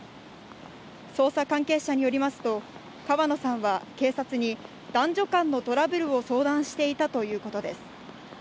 捜査関係者によりますと、川野さんは警察に男女間のトラブルを相談していたということです。